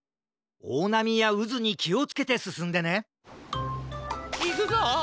おおなみやうずにきをつけてすすんでねいくぞ！